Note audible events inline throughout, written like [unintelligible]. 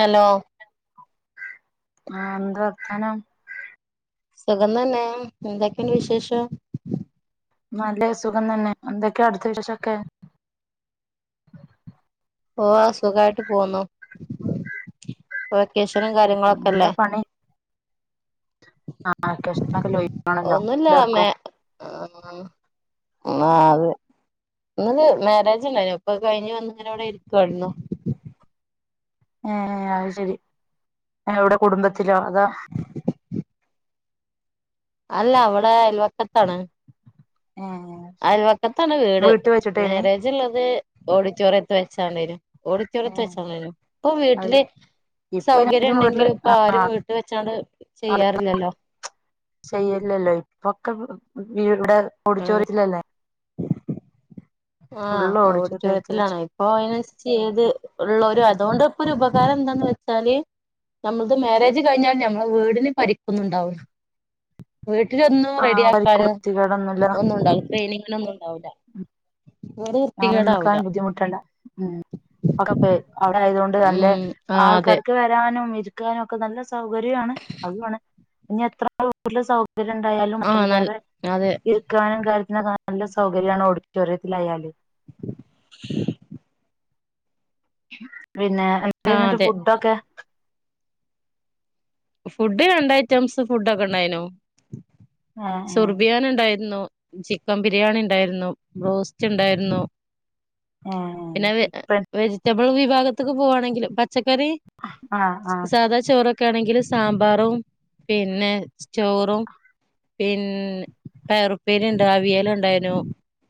Hello ആഹ് എന്താ വർത്താനം സുഖം തന്നെ എന്തൊക്കെ ഇണ്ട് വിശേഷം? നല്ല സുഖം തന്നെ, എന്തൊക്കെയാ അവിടുത്ത വിശേഷൊക്കെ? ഓ സുഖായിട്ട് പോവുന്നു ഇപ്പൊ വെക്കേഷനും എന്താ കാര്യങ്ങളൊക്കെല്ലേ? പണി ആഹ് വെക്കേഷനൊക്കെ [unintelligible] ആണല്ലോ എല്ലാവർക്കും ഏഹ് ആഹ് അതെ ഇന്നൊരു മാരേജ് ഇണ്ടായിനു, ഇപ്പൊ കഴിഞ്ഞ് വന്നിങ്ങനെ ഇവടെ ഇരിക്കുവാരുന്നു. ഏഹ് അത് ശെരി എവിടെ കുടുംബത്തിലോ അതോ അല്ല അവടെ അയൽവക്കത്താണ് ഏഹ് അൽവക്കത്താണ് വീട് വീട്ട് വെച്ചിട്ടേനി മാരേജിള്ളത് ഓഡിറ്റോറിയത്ത് വെച്ചാണേനു ഓഡിറ്റോറിയത്ത് ഏഹ് വെച്ചാണേനു ഇപ്പൊ അത് വീട്ടില് ഇപ്പൊ സൗകര്യം എല്ലാരും വീട്ടില് ഉണ്ടെങ്കിലും ഇപ്പൊ ആരും ആഹ് വീട്ട് വെച്ചാണ്ട് ചെയ്യാറില്ലല്ലോ ചെയ്യല്ലല്ലോ ഇപ്പൊക്കെ വ് വീട് ഉം ഓഡിറ്റോറിയത്തിലല്ലേ ഫുള്ള് ഓഡിറ്റോറിയത്തിൽ വെച്ചിട്ട് പ്പൊ അയിനനുസരിച്ച് ഏത് ഉള്ളൊരും അതോണ്ട് ഇപ്പൊ ഒരു ഉപകാരം എന്താന്ന് വെച്ചാല് നമ്മൾത് മാരേജ് കഴിഞ്ഞാല് ഞമ്മളെ വീടിന് പരിക്കൊന്നും ഉണ്ടാവുല. വീട്ടിലൊന്നും റെഡി ആഹ് വരിക്ക് ആക്കാന് വൃത്തികേടൊന്നുല്ല ഒന്നും ഉണ്ടാവി ക്ലീനിങ്ങിനൊന്നും ഉണ്ടാവില്ല ഉം വീട് വൃത്തികേടാവൂല നന്നാക്കാൻ ബുദ്ധിമുട്ടണ്ട ഉം ക്കെ പേ അവിടെ ആയതോണ്ട് നല്ല ഉം ആഹ് അതെ ആൾക്കാർക്ക് വെരാനും ഇ ക്കാനൊക്കെ നല്ല സൗകര്യാണ് അതും ആണ് ഇനി എത്ര വീട്ടില് സൗ ഇവര്ണ്ടായാലും ആഹ് നൽ അതിലേറെ അതെ [unintelligible] ക്കാനും കാര്യത്തിനൊക്കെ നല്ല സൗകര്യാണ് ഓഡിറ്റോറിയത്തിലായാല് പിന്നെ ആഹ് എന്തെർന്നിട്ട് അതെ ഫുഡൊക്കെ? ഫുഡ് രണ്ട് ഐറ്റംസ് ഫുഡോക്കെ ഉണ്ടായിനു ഏ സുർബിയാന് ണ്ടായിരുന്നു ചിക്കൻ ബിരിയാണി ഉണ്ടായിരുന്നു ബ്രോസ്റ്റ് ഉണ്ടായിരുന്നു ഏ പിന്നെ വെ ഏ വെജിറ്റബിൾ വിഭാഗ ത്ത്ക്ക് പോവാണെങ്കില് പച്ചക്കറി ആഹ് ആഹ് സാധാ ചോറൊക്കെ ആണെങ്കിൽ സാമ്പാറും പിന്നെ ചോറും പിന് പയറുപ്പേരി ണ്ട് അവിയല് ണ്ടായിന്നു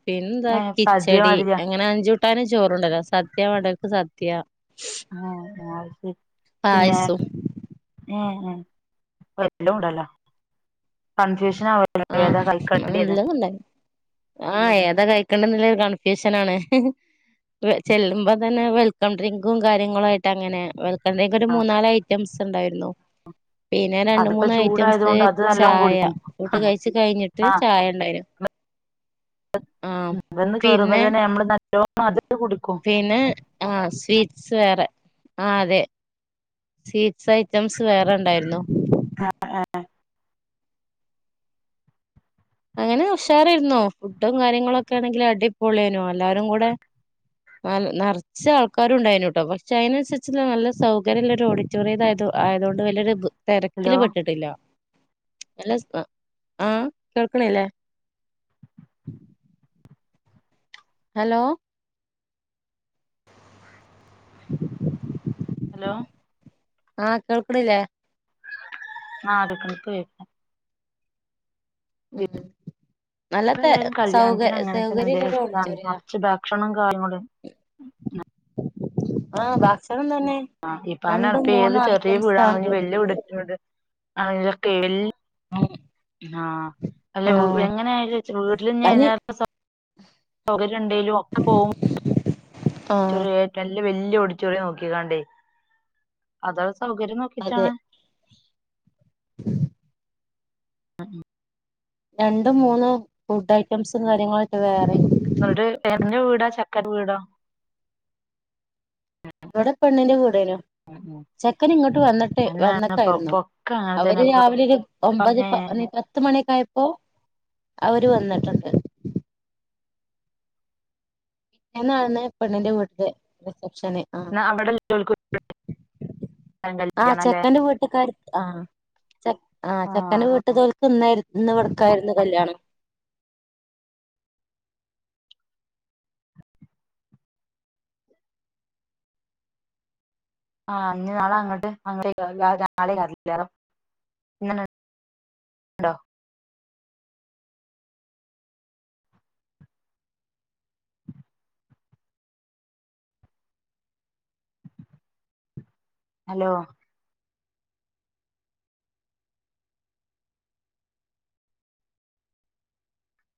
പിന്നെന്താ ഏ സദ്യ കിച്ചടി മാതിരിയാ അങ്ങനെ അഞ്ചൂട്ടാനും ചോറുണ്ടല്ലോ സദ്യ വേണ്ടോർക്ക് സദ്യ [inaudible] പിന്നെ പായസും ഏഹ് പ്പ എല്ലും ഉണ്ടല്ലോ കൺഫ്യൂഷൻ ആ ആഹ് നല്ലതും ഉണ്ട് ആഹ് ഏതാ കഴിക്കണ്ടെന്നുള്ളൊരു കൺഫ്യൂഷൻ ആണ് വെ ചെല്ലുമ്പോ തന്നെ വെൽക്കം ഡ്രിങ്കും കാര്യങ്ങളും ആയിട്ട് അങ്ങനെ വെൽ ൽക്കം ഡിങ്ക് ഒരു മൂന്നാല് ഐറ്റംസ് ഉണ്ടായിരുന്നു പിന്നെ രണ്ട് അതിപ്പോ മൂന്ന് ചൂടായത് ഐറ്റംസ് കൊണ്ട് അത് നല്ലോണം ചായ കുടിക്കും ഫുഡ് കഴിച്ചു കഴിഞ്ഞിട്ട് ആഹ് ചായ ഇണ്ടായിരുന്നു വന്ന് കേറുമ്പോ പിന്നെ തന്നെ നമ്മള് നല്ലോണം അത് കുടുക്കും പിന്നെ ആ സ്വീറ്റ്സ് വേറെ ആ അതെ സ്വീറ്റ്സ് ഐറ്റംസ് വേറെ ഉണ്ടായിരുന്നു ആഹ് ആ അങ്ങനെ ഉഷാറായിരുന്നു ഫുഡും കാര്യങ്ങളൊക്കെ ആണെങ്കിൽ അടിപൊളിയെന്നു എല്ലാവാരും കൂടെ ആ നിറച്ച് ആൾക്കാരും ഉണ്ടായിനുട്ടോ പക്ഷെ അതിനനുസരിച്ചുള്ള നല്ല സൗകര്യമുള്ള ഓടി റ്റോറിയ്യതായത് ആയതൊണ്ട് വലൊരു ഇത് ഹലോ തിരക്കില് പെട്ടിട്ടില്ല നല്ല ആ കേൾക്ക്ണ്ല്ലേ ഹലോ ഹലോ ആഹ് കേൾക്ക്ണ്ല്ലേ ആഹ് കേൾക്കുണ്ട് ഉം ഉം നല്ല ഇപ്പ തെ ഏതായാലും സൗക കല്യാണത്തിന് അങ്ങനെ തന്നെല്ലേ സൗകര്യള്ളൊരു ഇതാണ് ഓഡിറ്റോറിയാ നറച്ച് ഭക്ഷണം കാര്യങ്ങളും ആഹ് ഭക്ഷണം തന്നെ ആ രണ്ടും ഇപ്പൻ്റെകണക്ക് ഏത് മൂന്നും ചെറിയ ഐറ്റംസ് ആണ് വീടാണെങ്കിലും വല്ല്യ വരുന്നത് ഓടിറ്റോറിയാ [unintelligible] ആഹ അല്ല ആ എങ്ങന വീട്ടില് [unintelligible] ഉ [inaudible] സൗകര്യ ഉണ്ടെലുഒക്കെ പോവും ആഹ് ച്ചെറിയ ഏറ്റവും വല്ല വലിയ ഓടിറ്റോറിയം യ നോക്കിക്കാണ്ടേ അതുള്ള സൗകര്യം നോക്കിട്ടാണ് ഉ [inaudible] രണ്ടും മൂന്നും ഫുഡ് ഐറ്റംസും കാര്യങ്ങളൊക്കെ വേറെ ന്നിട്ട് പെണ്ണിന്റെ വീടോ ചെക്കന്റെ വീടോ എവിടെ പെണ്ണിന്റെ വീടെനും ഉം ഉം ചെക്കൻ ഇങ്ങോട്ട് വന്നിട്ട് അന്നാണ് ഇപ്പൊ വന്നക്കായിരുന്നു ഇപ്പൊക്കെ അങ്ങനെ അവര് തന്നെ ഇപ്പ രാവിലെ ഒരു ഒമ്പത് ഏഹ് പത്ത് മണിക്കായപ്പോ അവര് വന്നിട്ടുണ്ട് ഇന്നാണ് പെണ്ണിന്റെ വീട്ടിലെ റിസപ്ഷന് ആഹ് എന്ന അവിടെല്ല [unintelligible] അല്ലേ ആ ആ ചെക്കന ആഹ് വീട്ടു ആഹ് തോൽക്ക് ഇന്നായിരുന്നു ഇന്ന് ഇവടക്കായിരുന്നു കല്യാണം ആഹ് ഇഞ്ഞി നാള അങ്ങട്ട് അങ്ങട്ടേക്കാരം നാളെ കല്യാണം ഹലോ